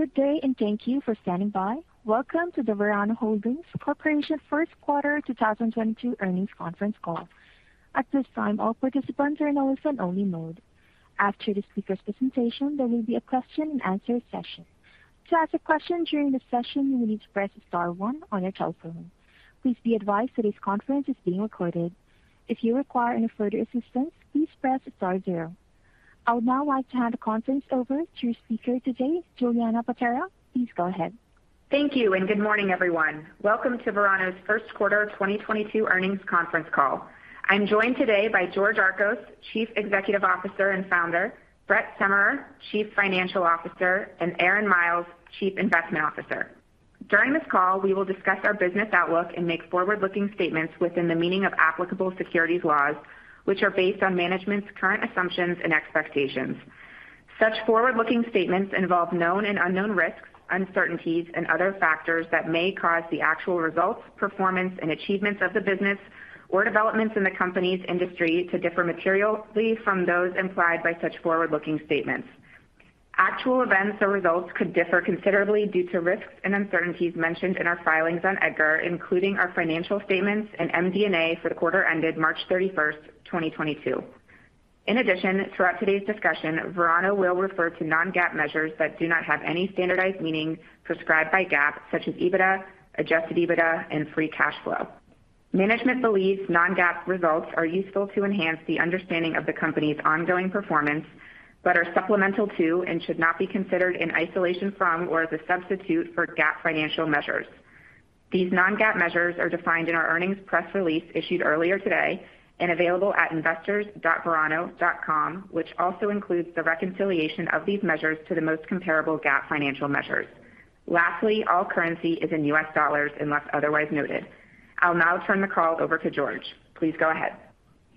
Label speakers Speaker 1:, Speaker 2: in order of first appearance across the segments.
Speaker 1: Good day, and thank you for standing by. Welcome to the Verano Holdings Corp. first quarter 2022 earnings conference call. At this time, all participants are in a listen only mode. After the speaker's presentation, there will be a question and answer session. To ask a question during the session, you will need to press star one on your telephone. Please be advised today's conference is being recorded. If you require any further assistance, please press star zero. I would now like to hand the conference over to speaker today, Julianna Paterra. Please go ahead.
Speaker 2: Thank you, and good morning, everyone. Welcome to Verano's first quarter 2022 earnings conference call. I'm joined today by George Archos, Chief Executive Officer and Founder, Brett Summerer, Chief Financial Officer, and Aaron Miles, Chief Investment Officer. During this call, we will discuss our business outlook and make forward-looking statements within the meaning of applicable securities laws, which are based on management's current assumptions and expectations. Such forward-looking statements involve known and unknown risks, uncertainties, and other factors that may cause the actual results, performance and achievements of the business or developments in the company's industry to differ materially from those implied by such forward-looking statements. Actual events or results could differ considerably due to risks and uncertainties mentioned in our filings on EDGAR, including our financial statements and MD&A for the quarter ended March 31st, 2022. In addition, throughout today's discussion, Verano will refer to non-GAAP measures that do not have any standardized meaning prescribed by GAAP, such as EBITDA, adjusted EBITDA, and free cash flow. Management believes non-GAAP results are useful to enhance the understanding of the company's ongoing performance, but are supplemental to and should not be considered in isolation from or as a substitute for GAAP financial measures. These non-GAAP measures are defined in our earnings press release issued earlier today and available at investors.verano.com, which also includes the reconciliation of these measures to the most comparable GAAP financial measures. Lastly, all currency is in U.S. dollars unless otherwise noted. I'll now turn the call over to George. Please go ahead.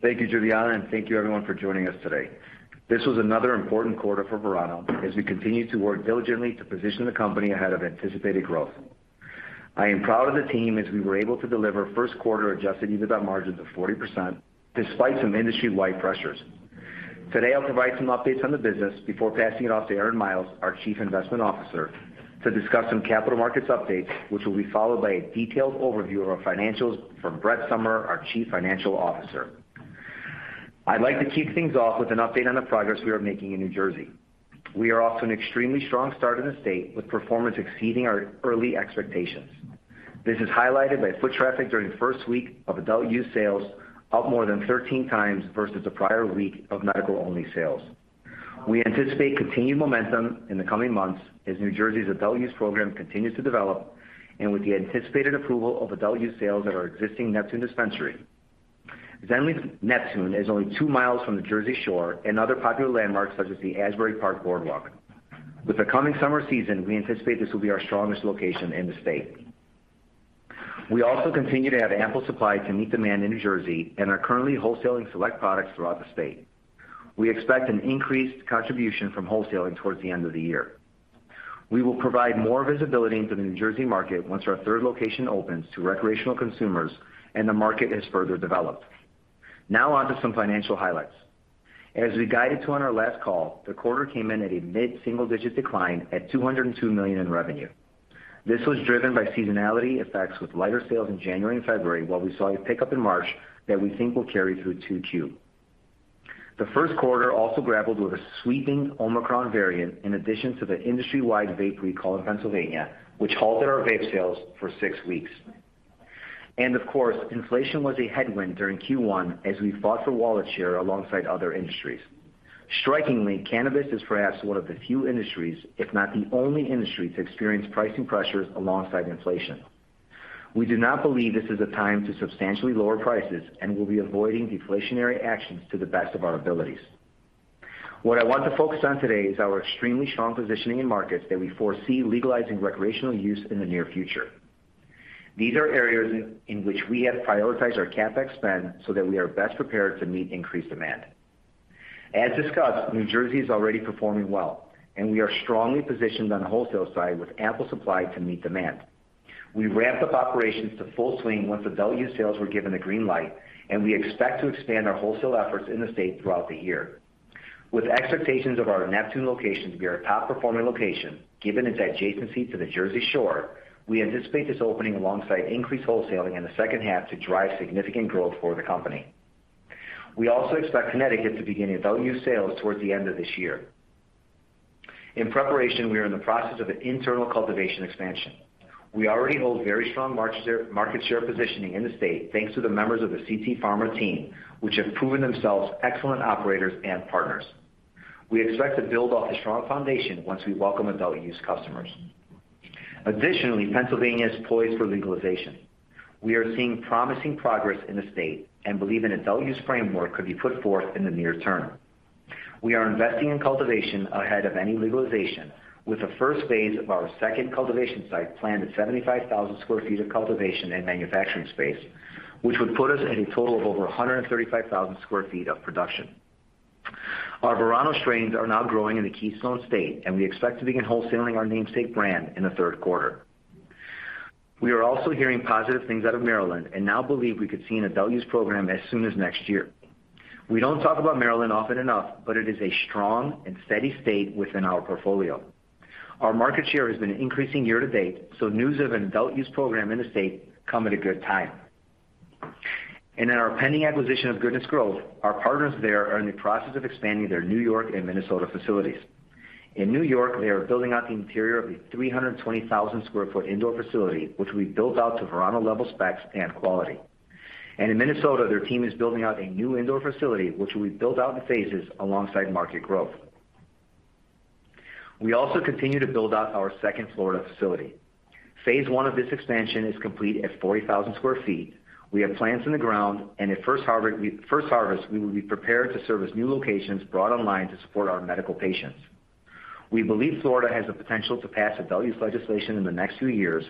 Speaker 3: Thank you, Julianna, and thank you everyone for joining us today. This was another important quarter for Verano as we continue to work diligently to position the company ahead of anticipated growth. I am proud of the team as we were able to deliver first quarter adjusted EBITDA margins of 40% despite some industry-wide pressures. Today, I'll provide some updates on the business before passing it off to Aaron Miles, our Chief Investment Officer, to discuss some capital markets updates, which will be followed by a detailed overview of our financials from Brett Summerer, our Chief Financial Officer. I'd like to kick things off with an update on the progress we are making in New Jersey. We are off to an extremely strong start in the state, with performance exceeding our early expectations. This is highlighted by foot traffic during the first week of adult use sales, up more than 13x versus the prior week of medical-only sales. We anticipate continued momentum in the coming months as New Jersey's adult use program continues to develop, and with the anticipated approval of adult use sales at our existing Neptune dispensary. Zen Leaf Neptune is only 2 miles from the Jersey Shore and other popular landmarks such as the Asbury Park Boardwalk. With the coming summer season, we anticipate this will be our strongest location in the state. We also continue to have ample supply to meet demand in New Jersey and are currently wholesaling select products throughout the state. We expect an increased contribution from wholesaling towards the end of the year. We will provide more visibility into the New Jersey market once our third location opens to recreational consumers and the market has further developed. Now onto some financial highlights. As we guided to on our last call, the quarter came in at a mid-single-digit decline at $202 million in revenue. This was driven by seasonality effects with lighter sales in January and February, while we saw a pickup in March that we think will carry through 2Q. The first quarter also grappled with a sweeping Omicron variant in addition to the industry-wide vape recall in Pennsylvania, which halted our vape sales for six weeks. Of course, inflation was a headwind during Q1 as we fought for wallet share alongside other industries. Strikingly, cannabis is perhaps one of the few industries, if not the only industry, to experience pricing pressures alongside inflation. We do not believe this is a time to substantially lower prices, and we'll be avoiding deflationary actions to the best of our abilities. What I want to focus on today is our extremely strong positioning in markets that we foresee legalizing recreational use in the near future. These are areas in which we have prioritized our CapEx spend so that we are best prepared to meet increased demand. As discussed, New Jersey is already performing well, and we are strongly positioned on the wholesale side with ample supply to meet demand. We ramped up operations to full swing once adult use sales were given the green light, and we expect to expand our wholesale efforts in the state throughout the year. With expectations of our Neptune location to be our top-performing location, given its adjacency to the Jersey Shore, we anticipate this opening alongside increased wholesaling in the second half to drive significant growth for the company. We also expect Connecticut to begin adult use sales towards the end of this year. In preparation, we are in the process of an internal cultivation expansion. We already hold very strong market share positioning in the state, thanks to the members of the CT Pharma team, which have proven themselves excellent operators and partners. We expect to build off the strong foundation once we welcome adult use customers. Additionally, Pennsylvania is poised for legalization. We are seeing promising progress in the state and believe an adult use framework could be put forth in the near term. We are investing in cultivation ahead of any legalization, with the first phase of our second cultivation site planned at 75,000 sq ft of cultivation and manufacturing space, which would put us at a total of over 135,000 sq ft of production. Our Verano strains are now growing in the Keystone State, and we expect to begin wholesaling our namesake brand in the third quarter. We are also hearing positive things out of Maryland and now believe we could see an adult use program as soon as next year. We don't talk about Maryland often enough, but it is a strong and steady state within our portfolio. Our market share has been increasing year to date, so news of an adult use program in the state come at a good time. In our pending acquisition of Goodness Growth, our partners there are in the process of expanding their New York and Minnesota facilities. In New York, they are building out the interior of a 320,000 sq ft indoor facility, which will be built out to Verano level specs and quality. In Minnesota, their team is building out a new indoor facility, which will be built out in phases alongside market growth. We continue to build out our second Florida facility. Phase one of this expansion is complete at 40,000 sq ft. We have plants in the ground, and at first harvest, we will be prepared to service new locations brought online to support our medical patients. We believe Florida has the potential to pass adult use legislation in the next few years,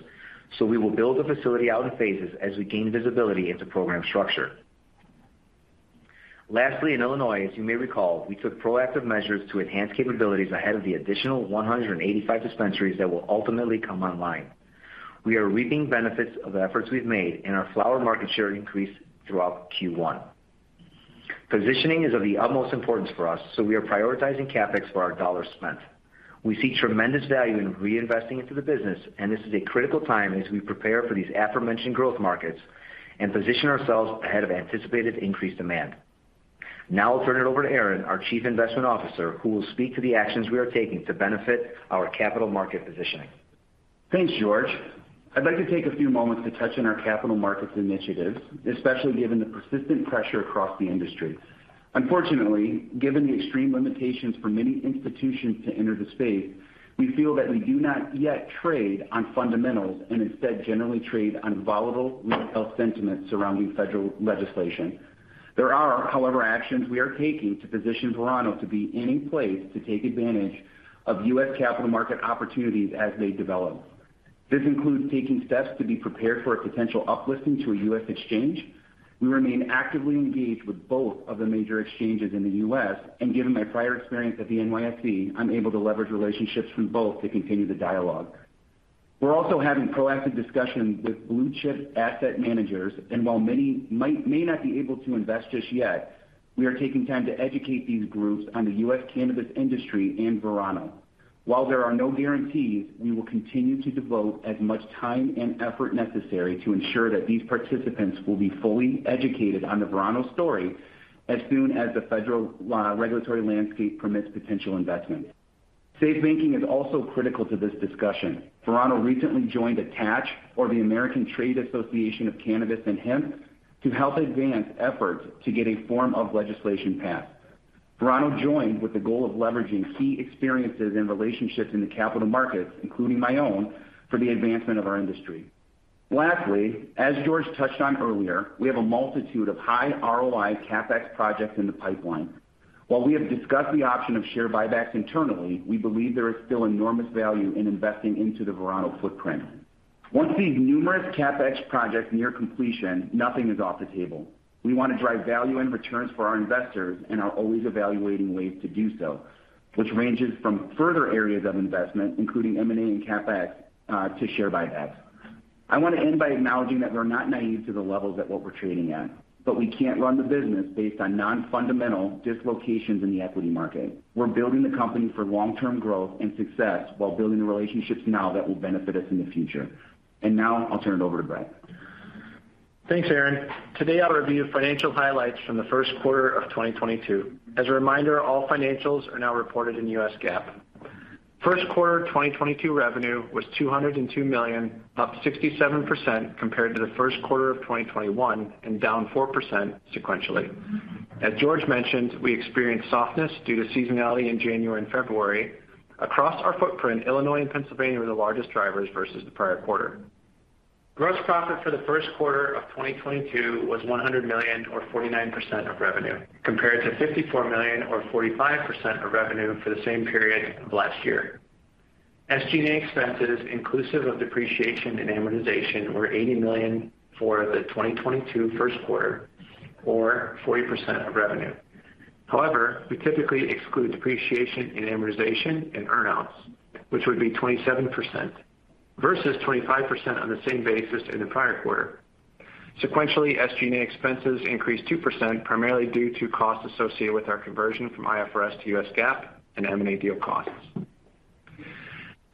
Speaker 3: so we will build the facility out in phases as we gain visibility into program structure. Lastly, in Illinois, as you may recall, we took proactive measures to enhance capabilities ahead of the additional 185 dispensaries that will ultimately come online. We are reaping benefits of the efforts we've made, and our flower market share increased throughout Q1. Positioning is of the utmost importance for us, so we are prioritizing CapEx for our dollars spent. We see tremendous value in reinvesting into the business, and this is a critical time as we prepare for these aforementioned growth markets and position ourselves ahead of anticipated increased demand. Now I'll turn it over to Aaron, our Chief Investment Officer, who will speak to the actions we are taking to benefit our capital market positioning.
Speaker 4: Thanks, George. I'd like to take a few moments to touch on our capital markets initiatives, especially given the persistent pressure across the industry. Unfortunately, given the extreme limitations for many institutions to enter the space, we feel that we do not yet trade on fundamentals and instead generally trade on volatile retail sentiments surrounding federal legislation. There are, however, actions we are taking to position Verano to be in a place to take advantage of U.S. capital market opportunities as they develop. This includes taking steps to be prepared for a potential uplisting to a U.S. exchange. We remain actively engaged with both of the major exchanges in the U.S., and given my prior experience at the NYSE, I'm able to leverage relationships from both to continue the dialogue. We're also having proactive discussions with blue-chip asset managers, and while many may not be able to invest just yet, we are taking time to educate these groups on the U.S. cannabis industry and Verano. While there are no guarantees, we will continue to devote as much time and effort necessary to ensure that these participants will be fully educated on the Verano story as soon as the federal regulatory landscape permits potential investment. SAFE Banking is also critical to this discussion. Verano recently joined ATACH, or the American Trade Association for Cannabis and Hemp, to help advance efforts to get a form of legislation passed. Verano joined with the goal of leveraging key experiences and relationships in the capital markets, including my own, for the advancement of our industry. Lastly, as George touched on earlier, we have a multitude of high ROI CapEx projects in the pipeline. While we have discussed the option of share buybacks internally, we believe there is still enormous value in investing into the Verano footprint. Once these numerous CapEx projects near completion, nothing is off the table. We want to drive value and returns for our investors and are always evaluating ways to do so, which ranges from further areas of investment, including M&A and CapEx, to share buybacks. I want to end by acknowledging that we're not naive to the levels at what we're trading at, but we can't run the business based on non-fundamental dislocations in the equity market. We're building the company for long-term growth and success while building the relationships now that will benefit us in the future. Now I'll turn it over to Brett.
Speaker 5: Thanks, Aaron. Today, I'll review financial highlights from the first quarter of 2022. As a reminder, all financials are now reported in U.S. GAAP. First quarter of 2022 revenue was $202 million, up 67% compared to the first quarter of 2021 and down 4% sequentially. As George mentioned, we experienced softness due to seasonality in January and February. Across our footprint, Illinois and Pennsylvania were the largest drivers versus the prior quarter. Gross profit for the first quarter of 2022 was $100 million or 49% of revenue, compared to $54 million or 45% of revenue for the same period of last year. SG&A expenses inclusive of depreciation and amortization were $80 million for the 2022 first quarter or 40% of revenue. However, we typically exclude depreciation and amortization and earn outs, which would be 27% versus 25% on the same basis in the prior quarter. Sequentially, SG&A expenses increased 2%, primarily due to costs associated with our conversion from IFRS to U.S. GAAP and M&A deal costs.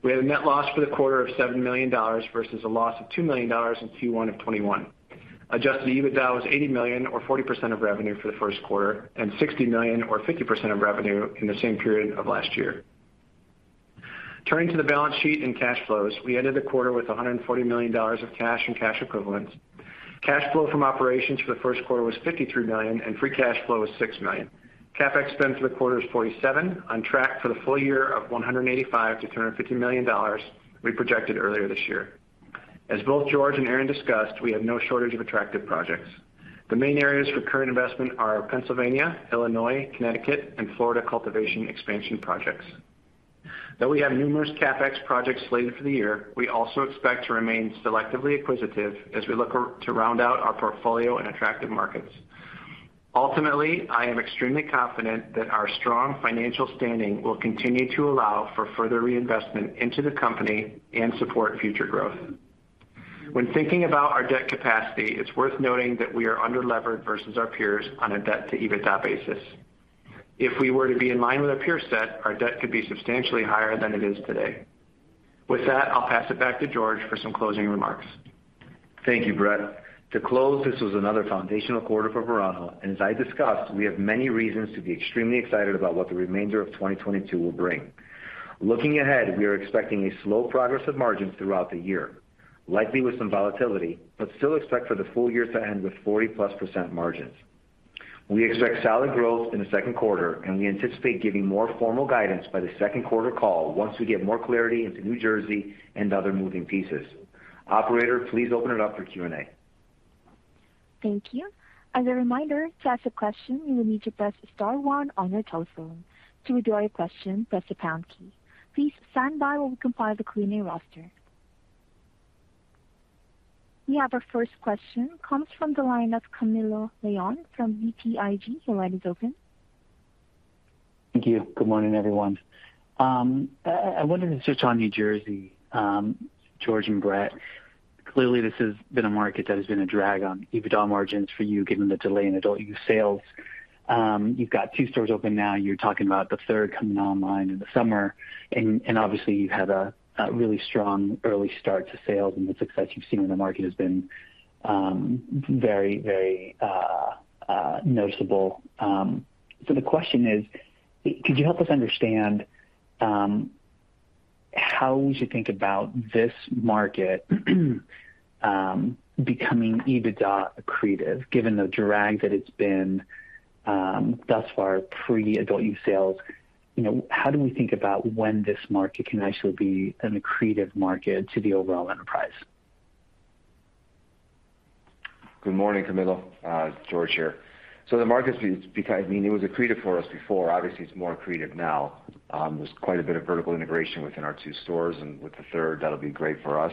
Speaker 5: We had a net loss for the quarter of $7 million versus a loss of $2 million in Q1 of 2021. Adjusted EBITDA was $80 million or 40% of revenue for the first quarter and $60 million or 50% of revenue in the same period of last year. Turning to the balance sheet and cash flows, we ended the quarter with $140 million of cash and cash equivalents. Cash flow from operations for the first quarter was $53 million, and free cash flow was $6 million. CapEx spend for the quarter is $47 million, on track for the full year of $185 million-$350 million we projected earlier this year. As both George Archos and Aaron Miles discussed, we have no shortage of attractive projects. The main areas for current investment are Pennsylvania, Illinois, Connecticut, and Florida cultivation expansion projects. Though we have numerous CapEx projects slated for the year, we also expect to remain selectively acquisitive as we look to round out our portfolio in attractive markets. Ultimately, I am extremely confident that our strong financial standing will continue to allow for further reinvestment into the company and support future growth. When thinking about our debt capacity, it's worth noting that we are underleveraged versus our peers on a debt-to-EBITDA basis. If we were to be in line with our peer set, our debt could be substantially higher than it is today. With that, I'll pass it back to George for some closing remarks.
Speaker 3: Thank you, Brett. To close, this was another foundational quarter for Verano, and as I discussed, we have many reasons to be extremely excited about what the remainder of 2022 will bring. Looking ahead, we are expecting a slow progression of margins throughout the year, likely with some volatility, but still expect for the full year to end with 40%+ margins. We expect solid growth in the second quarter, and we anticipate giving more formal guidance by the second quarter call once we get more clarity into New Jersey and other moving pieces. Operator, please open it up for Q&A.
Speaker 1: Thank you. As a reminder, to ask a question, you will need to press star one on your telephone. To withdraw your question, press the pound key. Please stand by while we compile the Q&A roster. We have our first question. Comes from the line of Camilo Lyon from BTIG. Your line is open.
Speaker 6: Thank you. Good morning, everyone. I wondered just on New Jersey, George and Brett, clearly this has been a market that has been a drag on EBITDA margins for you, given the delay in adult use sales. You've got two stores open now, you're talking about the third coming online in the summer, and obviously you've had a really strong early start to sales and the success you've seen in the market has been very noticeable. The question is, could you help us understand how we should think about this market becoming EBITDA accretive given the drag that it's been thus far pre-adult use sales? You know, how do we think about when this market can actually be an accretive market to the overall enterprise?
Speaker 3: Good morning, Camilo. George here. The market's been. I mean, it was accretive for us before. Obviously, it's more accretive now. There's quite a bit of vertical integration within our two stores, and with the third, that'll be great for us.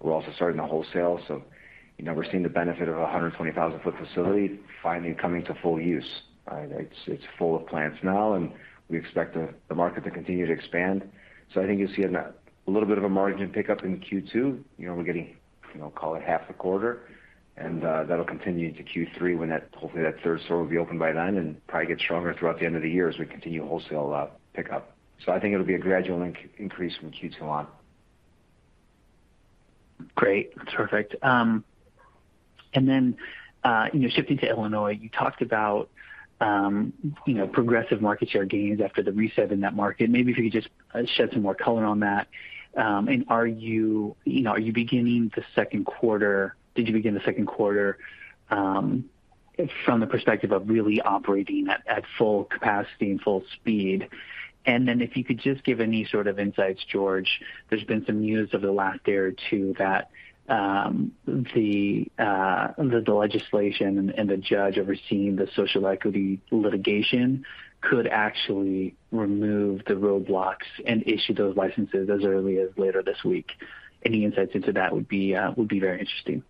Speaker 3: We're also starting the wholesale, so, you know, we're seeing the benefit of a 120,000-foot facility finally coming to full use, right? It's full of plants now, and we expect the market to continue to expand. I think you'll see a little bit of a margin pickup in Q2. You know, we're getting, you know, call it half the quarter, and that'll continue into Q3 when that hopefully that third store will be open by then and probably get stronger throughout the end of the year as we continue wholesale pickup. I think it'll be a gradual increase from Q2 on.
Speaker 6: Great. Perfect. Then, you know, shifting to Illinois, you talked about, you know, progressive market share gains after the reset in that market. Maybe if you could just shed some more color on that. Are you know, did you begin the second quarter from the perspective of really operating at full capacity and full speed? Then if you could just give any sort of insights, George. There's been some news over the last day or two that the legislation and the judge overseeing the social equity litigation could actually remove the roadblocks and issue those licenses as early as later this week. Any insights into that would be very interesting.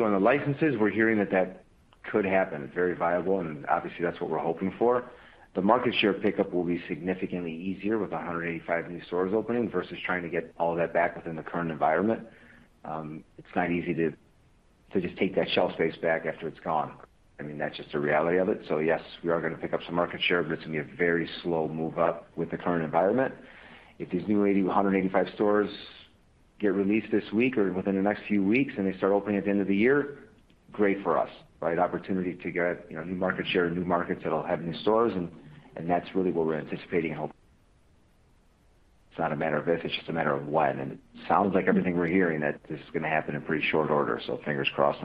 Speaker 3: On the licenses, we're hearing that that could happen. It's very viable, and obviously, that's what we're hoping for. The market share pickup will be significantly easier with 185 new stores opening versus trying to get all that back within the current environment. It's not easy to just take that shelf space back after it's gone. I mean, that's just the reality of it. Yes, we are gonna pick up some market share, but it's gonna be a very slow move up with the current environment. If these new 185 stores get released this week or within the next few weeks, and they start opening at the end of the year, great for us, right? Opportunity to get, you know, new market share and new markets that'll have new stores, and that's really what we're anticipating and hope. It's not a matter of if, it's just a matter of when. It sounds like everything we're hearing that this is gonna happen in pretty short order, so fingers crossed.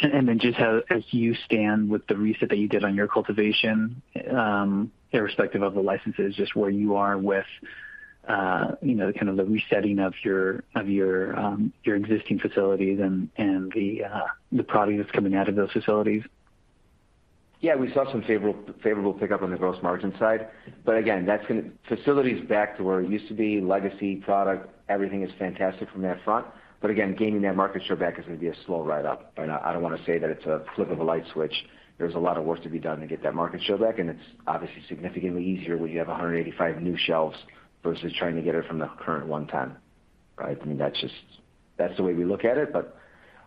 Speaker 6: Just how you stand with the reset that you did on your cultivation, irrespective of the licenses, just where you are with, you know, kind of the resetting of your existing facilities and the product that's coming out of those facilities.
Speaker 3: Yeah. We saw some favorable pickup on the gross margin side. Facilities back to where it used to be, legacy product, everything is fantastic from that front. Gaining that market share back is gonna be a slow ride up. I don't wanna say that it's a flip of a light switch. There's a lot of work to be done to get that market share back, and it's obviously significantly easier when you have 185 new shelves versus trying to get it from the current one time, right? I mean, that's the way we look at it, but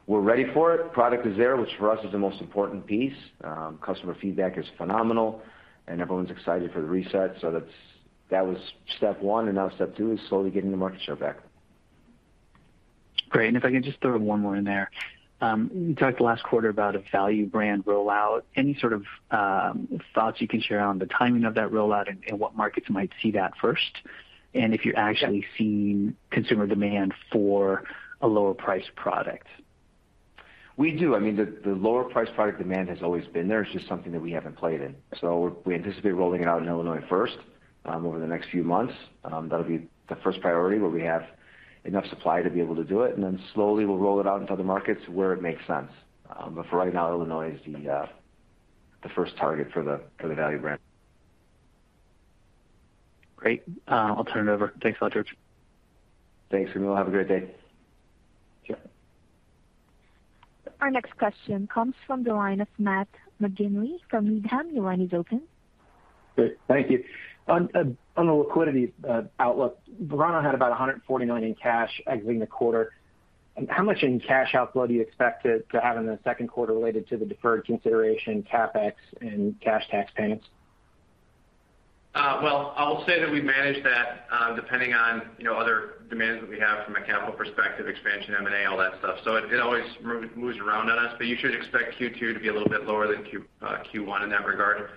Speaker 3: we're ready for it. Product is there, which for us is the most important piece. Customer feedback is phenomenal, and everyone's excited for the reset. That was step one, and now step two is slowly getting the market share back.
Speaker 6: Great. If I could just throw one more in there. You talked last quarter about a value brand rollout. Any sort of thoughts you can share on the timing of that rollout and what markets might see that first? If you're actually seeing consumer demand for a lower priced product.
Speaker 3: We do. I mean, the lower priced product demand has always been there. It's just something that we haven't played in. We anticipate rolling it out in Illinois first, over the next few months. That'll be the first priority where we have enough supply to be able to do it, and then slowly we'll roll it out into other markets where it makes sense. For right now, Illinois is the first target for the value brand.
Speaker 6: Great. I'll turn it over. Thanks a lot, George.
Speaker 3: Thanks, Camilo. Have a great day.
Speaker 6: Sure.
Speaker 1: Our next question comes from the line of Matt McGinley from Needham. Your line is open.
Speaker 7: Great. Thank you. On the liquidity outlook, Verano had about $140 million in cash exiting the quarter. How much in cash outflow do you expect to have in the second quarter related to the deferred consideration CapEx and cash tax payments?
Speaker 5: Well, I'll say that we manage that, depending on, you know, other demands that we have from a capital perspective, expansion, M&A, all that stuff. It always moves around on us, but you should expect Q2 to be a little bit lower than Q1 in that regard.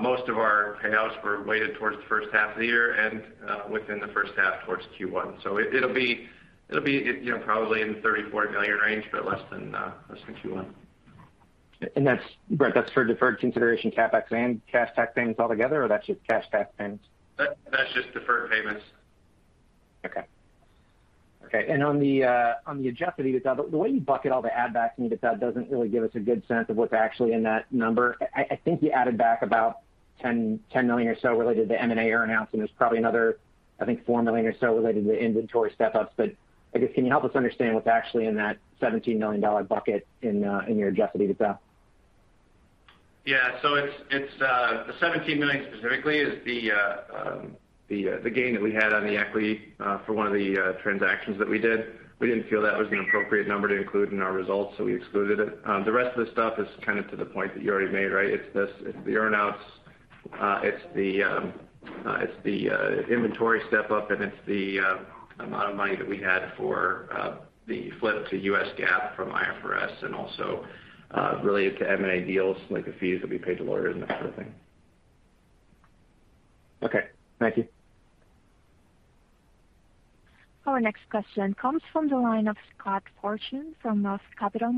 Speaker 5: Most of our payouts were weighted towards the first half of the year and within the first half towards Q1. It'll be, you know, probably in the $34 million range, but less than Q1.
Speaker 7: That's, Brett, that's for deferred consideration CapEx and cash tax payments altogether, or that's just cash tax payments?
Speaker 5: That, that's just deferred payments.
Speaker 7: Okay. On the adjusted EBITDA, the way you bucket all the add backs in EBITDA doesn't really give us a good sense of what's actually in that number. I think you added back about $10 million or so related to M&A earn-outs, and there's probably another $4 million or so related to inventory step-ups. I guess, can you help us understand what's actually in that $17 million bucket in your adjusted EBITDA?
Speaker 5: Yeah. It's the $17 million specifically is the gain that we had on the equity for one of the transactions that we did. We didn't feel that was an appropriate number to include in our results, so we excluded it. The rest of the stuff is kind of to the point that you already made, right? It's this, it's the earn-outs, it's the inventory step-up, and it's the amount of money that we had for the flip to U.S. GAAP from IFRS, and also related to M&A deals, like the fees that we paid to lawyers and that sort of thing.
Speaker 7: Okay, thank you.
Speaker 1: Our next question comes from the line of Scott Fortune from Roth Capital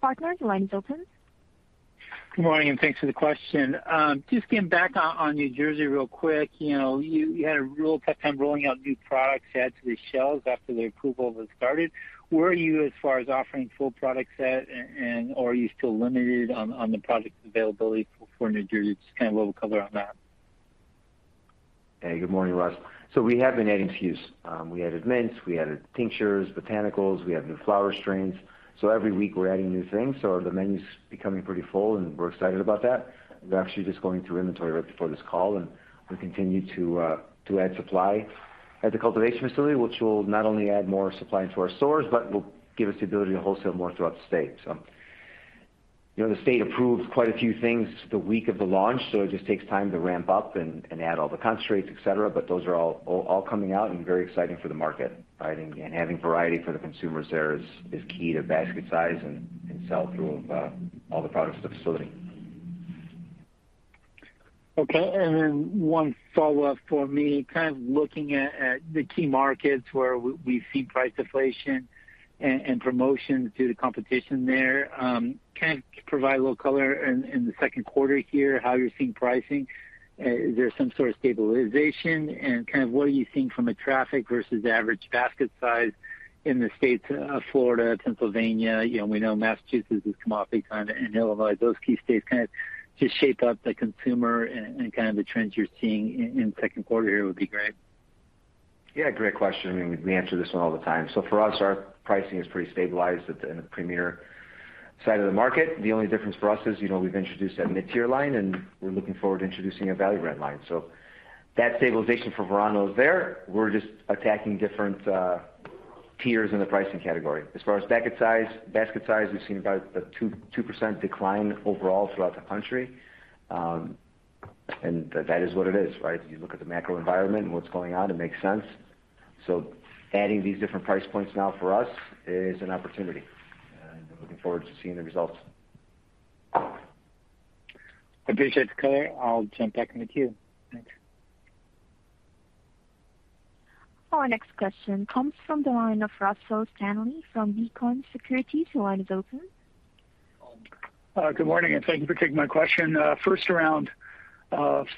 Speaker 1: Partners. Your line is open.
Speaker 8: Good morning, and thanks for the question. Just getting back on New Jersey real quick. You know, you had a real tough time rolling out new products adding to the shelves after the approval was started. Where are you as far as offering full product set? Or are you still limited on the product availability for New Jersey? Just kind of a little color on that.
Speaker 3: Hey, good morning, Scott. We have been adding SKUs. We added mints, we added tinctures, botanicals, we have new flower strains. Every week we're adding new things, so the menu's becoming pretty full, and we're excited about that. We're actually just going through inventory right before this call, and we continue to add supply at the cultivation facility, which will not only add more supply into our stores, but will give us the ability to wholesale more throughout the state. You know, the state approved quite a few things the week of the launch, so it just takes time to ramp up and add all the concentrates, et cetera, but those are all coming out and very exciting for the market, right? Having variety for the consumers there is key to basket size and sell-through of all the products at the facility.
Speaker 8: Okay. One follow-up for me. Kind of looking at the key markets where we've seen price deflation and promotion due to competition there. Can you provide a little color in the second quarter here, how you're seeing pricing? Is there some sort of stabilization? Kind of what are you seeing from a traffic versus average basket size in the states of Florida, Pennsylvania? You know, we know Massachusetts has come off a kind of high in all those key states. Kind of just shape of the consumer and kind of the trends you're seeing in second quarter here would be great.
Speaker 3: Yeah, great question, and we answer this one all the time. For us, our pricing is pretty stabilized in the premier side of the market. The only difference for us is, you know, we've introduced that mid-tier line, and we're looking forward to introducing a value brand line. That stabilization for Verano is there. We're just attacking different tiers in the pricing category. As far as basket size, we've seen about a 2% decline overall throughout the country. That is what it is, right? If you look at the macro environment and what's going on, it makes sense. Adding these different price points now for us is an opportunity, and we're looking forward to seeing the results.
Speaker 8: Appreciate the color. I'll jump back in the queue. Thanks.
Speaker 1: Our next question comes from the line of Russell Stanley from B. Riley Securities. Your line is open.
Speaker 9: Good morning, and thank you for taking my question. First around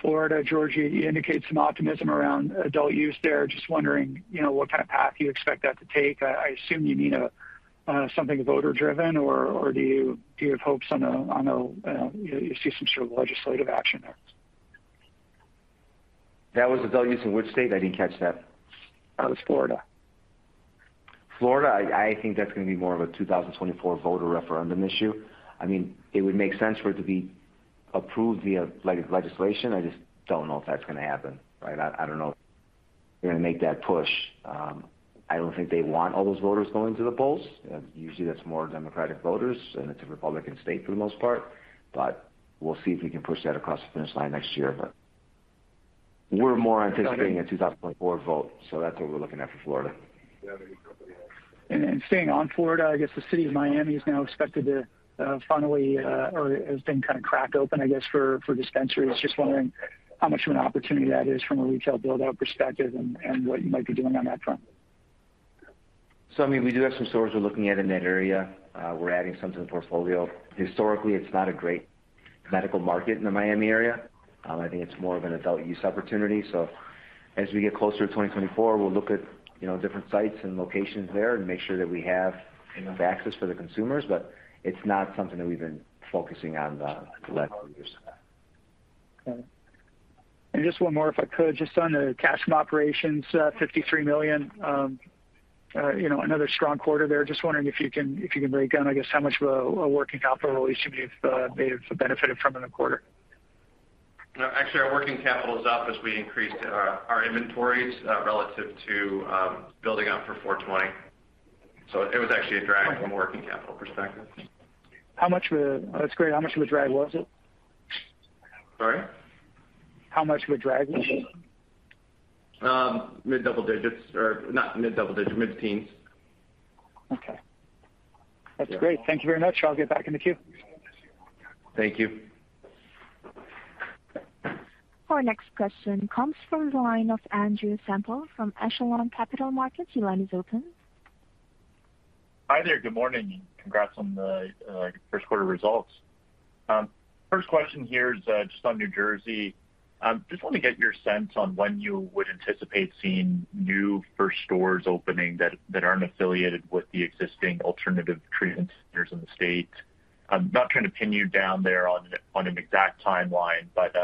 Speaker 9: Florida. George, you indicate some optimism around adult use there. Just wondering, you know, what kind of path you expect that to take. I assume you mean something voter driven, or do you have hopes on a you see some sort of legislative action there?
Speaker 3: That was adult use in which state? I didn't catch that.
Speaker 9: That was Florida.
Speaker 3: Florida, I think that's gonna be more of a 2024 voter referendum issue. I mean, it would make sense for it to be approved via legislation. I just don't know if that's gonna happen, right? I don't know if they're gonna make that push. I don't think they want all those voters going to the polls. Usually that's more Democratic voters, and it's a Republican state for the most part. We'll see if we can push that across the finish line next year. We're more anticipating a 2024 vote, so that's what we're looking at for Florida.
Speaker 9: Staying on Florida, I guess the city of Miami is now expected to finally or has been kind of cracked open, I guess, for dispensaries. Just wondering how much of an opportunity that is from a retail build-out perspective and what you might be doing on that front.
Speaker 3: I mean, we do have some stores we're looking at in that area. We're adding some to the portfolio. Historically, it's not a great medical market in the Miami area. I think it's more of an adult use opportunity. As we get closer to 2024, we'll look at, you know, different sites and locations there and make sure that we have enough access for the consumers. It's not something that we've been focusing on the last few years.
Speaker 9: Just one more, if I could. Just on the cash from operations, $53 million, you know, another strong quarter there. Just wondering if you can break down, I guess, how much of a working capital release you may have benefited from in the quarter.
Speaker 5: No, actually, our working capital is up as we increased our inventories relative to building out for 4/20. It was actually a drag from a working capital perspective.
Speaker 9: That's great. How much of a drag was it?
Speaker 5: Sorry?
Speaker 9: How much of a drag was it?
Speaker 5: Mid-teens.
Speaker 9: Okay. That's great. Thank you very much. I'll get back in the queue.
Speaker 5: Thank you.
Speaker 1: Our next question comes from the line of Andrew Semple from Echelon Capital Markets. Your line is open.
Speaker 10: Hi there. Good morning, and congrats on the first quarter results. First question here is just on New Jersey. Just want to get your sense on when you would anticipate seeing new first stores opening that aren't affiliated with the existing alternative treatment centers in the state. I'm not trying to pin you down there on an exact timeline, but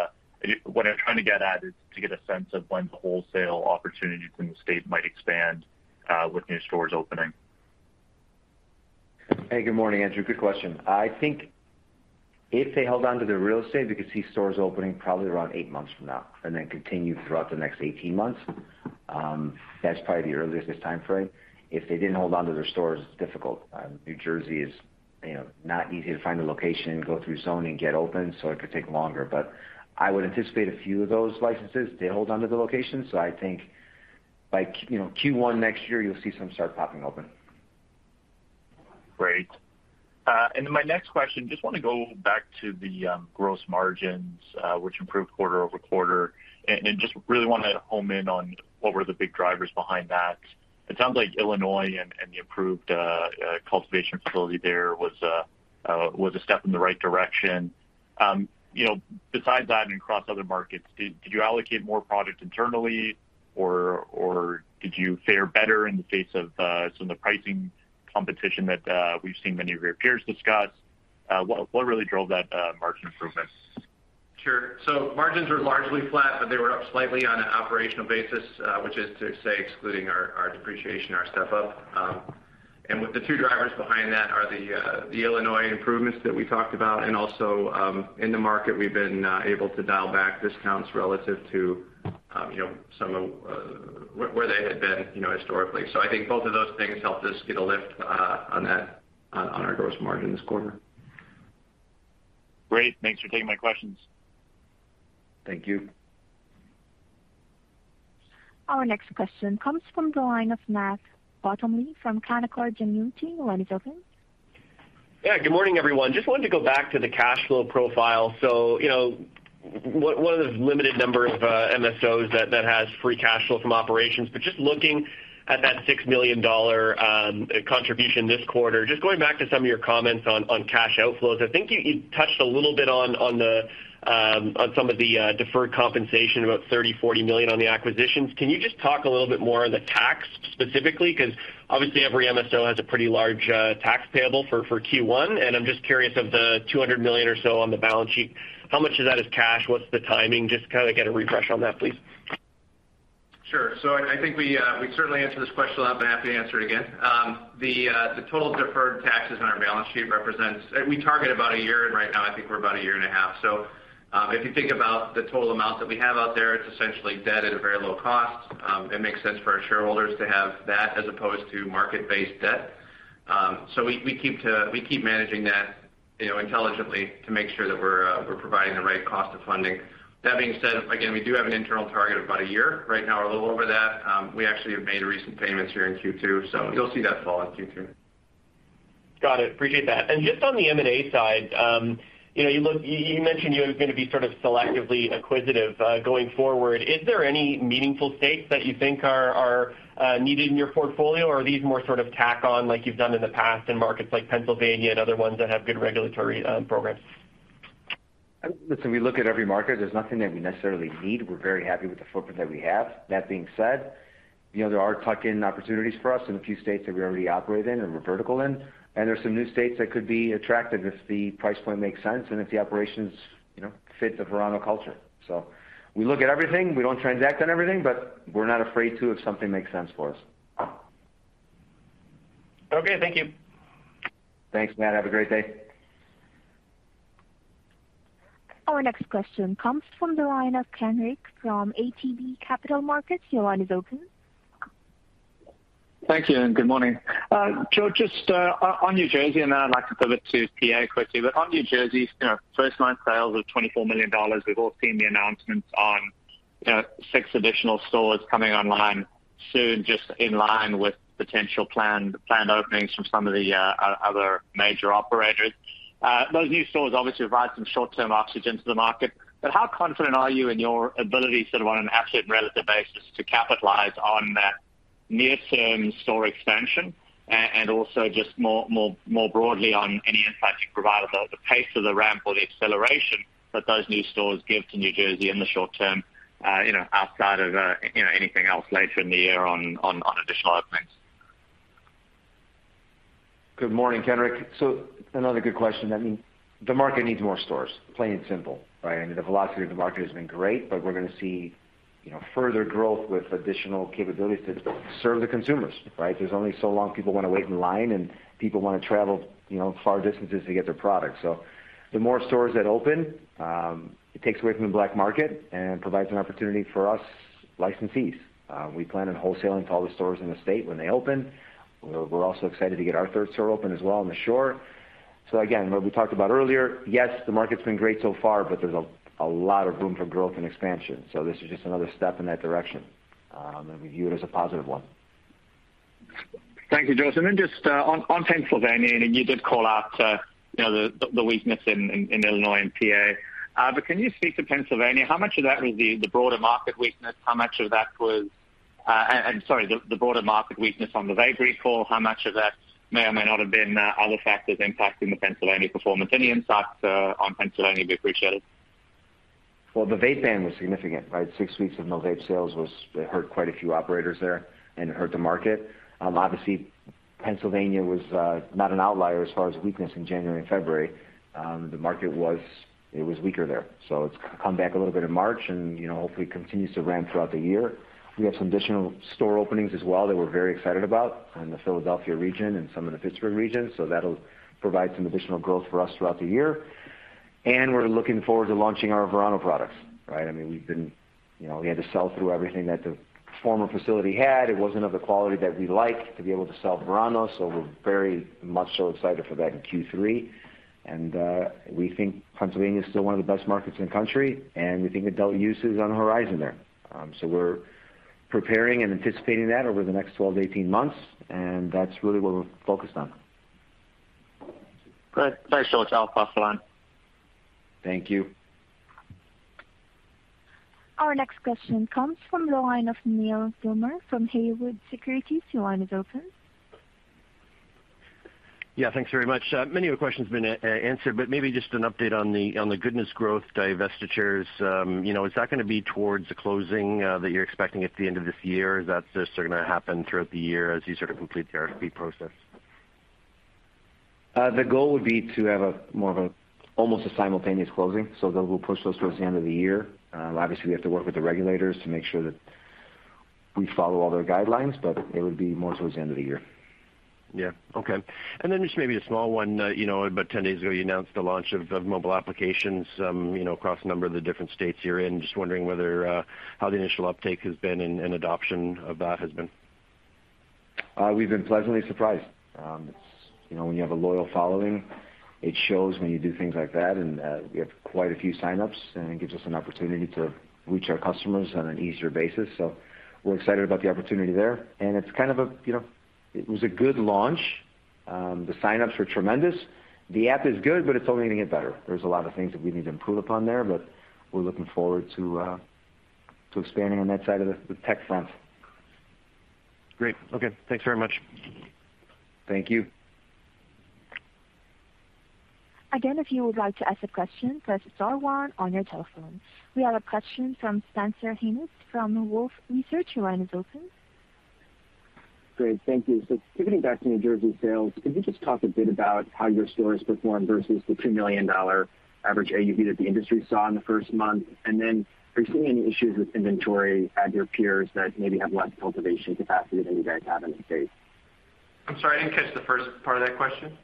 Speaker 10: what I'm trying to get at is to get a sense of when the wholesale opportunities in the state might expand with new stores opening.
Speaker 3: Hey, good morning, Andrew. Good question. I think if they held on to the real estate, we could see stores opening probably around eight months from now and then continue throughout the next 18 months. That's probably the earliest timeframe. If they didn't hold on to their stores, it's difficult. New Jersey is, you know, not easy to find a location and go through zoning, get open, so it could take longer. I would anticipate a few of those licenses, they hold on to the location. I think by Q1 next year, you'll see some start popping open.
Speaker 10: Great. My next question, just wanna go back to the gross margins, which improved quarter-over-quarter. Just really wanna home in on what were the big drivers behind that. It sounds like Illinois and the improved cultivation facility there was a step in the right direction. You know, besides that and across other markets, did you allocate more product internally or did you fare better in the face of some of the pricing competition that we've seen many of your peers discuss? What really drove that, margin improvement?
Speaker 5: Sure. Margins were largely flat, but they were up slightly on an operational basis, which is to say excluding our depreciation, our step-up. With the two drivers behind that are the Illinois improvements that we talked about and also in the market, we've been able to dial back discounts relative to, you know, some of where they had been, you know, historically. I think both of those things helped us get a lift on that, on our gross margin this quarter.
Speaker 10: Great. Thanks for taking my questions.
Speaker 5: Thank you.
Speaker 1: Our next question comes from the line of Matt Bottomley from Canaccord Genuity. Your line is open.
Speaker 11: Yeah. Good morning, everyone. Just wanted to go back to the cash flow profile. You know, one of the limited number of MSOs that has free cash flow from operations. Just looking at that $6 million contribution this quarter, just going back to some of your comments on cash outflows, I think you touched a little bit on some of the deferred compensation, about $30 million-$40 million on the acquisitions. Can you just talk a little bit more on the tax specifically? Because obviously every MSO has a pretty large tax payable for Q1, and I'm just curious of the $200 million or so on the balance sheet, how much of that is cash? What's the timing? Just kind of get a refresh on that, please.
Speaker 5: Sure. I think we certainly answered this question, but happy to answer it again. The total deferred taxes on our balance sheet represents. We target about a year, and right now I think we're about a year and a half. If you think about the total amount that we have out there, it's essentially debt at a very low cost. It makes sense for our shareholders to have that as opposed to market-based debt. We keep managing that, you know, intelligently to make sure that we're providing the right cost of funding. That being said, again, we do have an internal target of about a year. Right now, we're a little over that. We actually have made recent payments here in Q2, so you'll see that fall in Q2.
Speaker 11: Got it. Appreciate that. Just on the M&A side, you know, you mentioned you were gonna be sort of selectively acquisitive, going forward. Is there any meaningful stakes that you think are needed in your portfolio, or are these more sort of tack on like you've done in the past in markets like Pennsylvania and other ones that have good regulatory progress?
Speaker 5: Listen, we look at every market. There's nothing that we necessarily need. We're very happy with the footprint that we have. That being said, you know, there are tuck-in opportunities for us in a few states that we already operate in and we're vertical in, and there's some new states that could be attractive if the price point makes sense and if the operations, you know, fit the Verano culture. We look at everything. We don't transact on everything, but we're not afraid to if something makes sense for us.
Speaker 11: Okay. Thank you.
Speaker 5: Thanks, Matt. Have a great day.
Speaker 1: Our next question comes from the line of Kenric Tyghe from ATB Capital Markets. Your line is open.
Speaker 12: Thank you, and good morning. George, just on New Jersey, and then I'd like to pivot to PA quickly. On New Jersey, you know, first nine sales of $24 million. We've all seen the announcements on, you know, six additional stores coming online soon, just in line with potential planned openings from some of the other major operators. Those new stores obviously provide some short-term oxygen to the market, but how confident are you in your ability, sort of on an absolute and relative basis, to capitalize on that near-term store expansion and also just more broadly on any insight you can provide about the pace of the ramp or the acceleration that those new stores give to New Jersey in the short term, you know, outside of, you know, anything else later in the year on additional openings?
Speaker 3: Good morning, Kenric. Another good question. I mean, the market needs more stores, plain and simple, right? I mean, the velocity of the market has been great, but we're gonna see, you know, further growth with additional capabilities to serve the consumers, right? There's only so long people wanna wait in line and people wanna travel, you know, far distances to get their products. The more stores that open, it takes away from the black market and provides an opportunity for us licensees. We plan on wholesaling to all the stores in the state when they open. We're also excited to get our third store open as well on the shore. Again, what we talked about earlier, yes, the market's been great so far, but there's a lot of room for growth and expansion. This is just another step in that direction, and we view it as a positive one.
Speaker 12: Thank you, George Archos. Just on Pennsylvania, you did call out the weakness in Illinois and PA. Can you speak to Pennsylvania? How much of that was the broader market weakness? The broader market weakness on the vape recall, how much of that may or may not have been other factors impacting the Pennsylvania performance? Any insights on Pennsylvania would be appreciated.
Speaker 3: Well, the vape ban was significant, right? Six weeks of no vape sales was. It hurt quite a few operators there, and it hurt the market. Obviously Pennsylvania was not an outlier as far as weakness in January and February. The market was. It was weaker there. So it's come back a little bit in March and, you know, hopefully continues to ramp throughout the year. We have some additional store openings as well that we're very excited about in the Philadelphia region and some of the Pittsburgh regions, so that'll provide some additional growth for us throughout the year. We're looking forward to launching our Verano products, right? I mean, we've been. You know, we had to sell through everything that the former facility had. It wasn't of the quality that we liked to be able to sell Verano, so we're very much so excited for that in Q3. We think Pennsylvania is still one of the best markets in the country, and we think adult use is on the horizon there. We're preparing and anticipating that over the next 12 months-18 months, and that's really what we're focused on.
Speaker 12: Great. Thanks so much. I'll pass the line.
Speaker 3: Thank you.
Speaker 1: Our next question comes from the line of Neal Gilmer from Haywood Securities. Your line is open.
Speaker 13: Yeah, thanks very much. Many of the questions have been answered, maybe just an update on the Goodness Growth divestitures. You know, is that gonna be towards the closing that you're expecting at the end of this year? Is that just gonna happen throughout the year as you sort of complete the RFP process?
Speaker 3: The goal would be to have a more of a almost a simultaneous closing, so that we'll push those towards the end of the year. Obviously, we have to work with the regulators to make sure that we follow all their guidelines, but it would be more towards the end of the year.
Speaker 13: Yeah. Okay. Just maybe a small one. You know, about 10 days ago, you announced the launch of mobile applications, you know, across a number of the different states you're in. Just wondering whether how the initial uptake has been and adoption of that has been?
Speaker 3: We've been pleasantly surprised. It's, you know, when you have a loyal following, it shows when you do things like that, and we have quite a few signups, and it gives us an opportunity to reach our customers on an easier basis. We're excited about the opportunity there. It was a good launch. The signups were tremendous. The app is good, but it's only gonna get better. There's a lot of things that we need to improve upon there, but we're looking forward to expanding on that side of the tech front.
Speaker 13: Great. Okay. Thanks very much.
Speaker 3: Thank you.
Speaker 1: Again, if you would like to ask a question, press star one on your telephone. We have a question from Spencer Hanus from Wolfe Research. Your line is open.
Speaker 14: Great. Thank you. Pivoting back to New Jersey sales, could you just talk a bit about how your stores performed versus the $2 million average AUV that the industry saw in the first month? Are you seeing any issues with inventory at your peers that maybe have less cultivation capacity than you guys have in the state?
Speaker 3: I'm sorry, I didn't catch the first part of that question.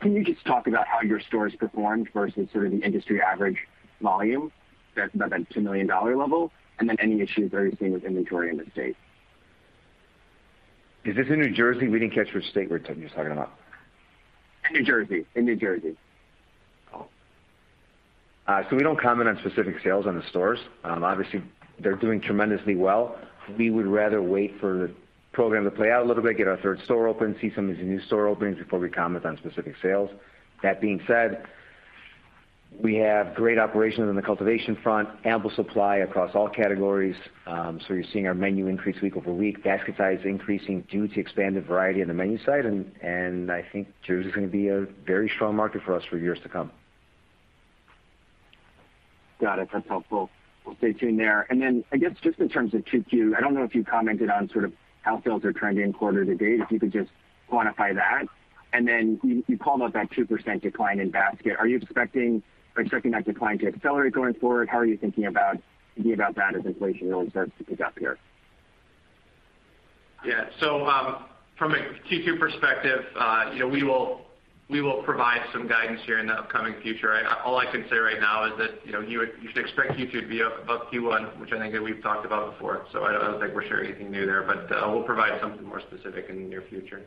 Speaker 14: Can you just talk about how your stores performed versus sort of the industry average volume, that's about that $2 million level, and then any issues that you're seeing with inventory in the state?
Speaker 3: Is this in New Jersey? We didn't catch which state you're talking about.
Speaker 14: In New Jersey.
Speaker 3: We don't comment on specific sales on the stores. Obviously they're doing tremendously well. We would rather wait for the program to play out a little bit, get our third store open, see some of these new store openings before we comment on specific sales. That being said, we have great operations on the cultivation front, ample supply across all categories, so you're seeing our menu increase week over week. Basket size increasing due to expanded variety on the menu side and I think Jersey's gonna be a very strong market for us for years to come.
Speaker 14: Got it. That's helpful. We'll stay tuned there. I guess just in terms of Q2, I don't know if you commented on sort of how sales are trending quarter to date, if you could just quantify that. You called out that 2% decline in basket. Are you expecting that decline to accelerate going forward? How are you thinking about that as inflation really starts to pick up here?
Speaker 5: Yeah. From a Q2 perspective, you know, we will provide some guidance here in the upcoming future. All I can say right now is that, you know, you would, you should expect Q2 to be up above Q1, which I think that we've talked about before. I don't think we're sharing anything new there, but we'll provide something more specific in the near future.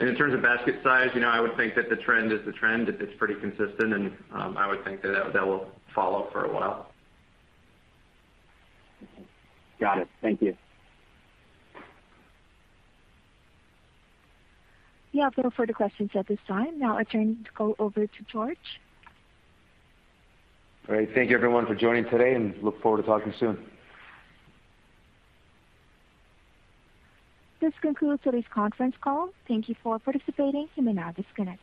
Speaker 5: In terms of basket size, you know, I would think that the trend is the trend. It's pretty consistent and I would think that will follow for a while.
Speaker 14: Got it. Thank you.
Speaker 1: Yeah. No further questions at this time. Now returning the call over to George.
Speaker 3: All right. Thank you everyone for joining today, and look forward to talking soon.
Speaker 1: This concludes today's conference call. Thank you for participating. You may now disconnect.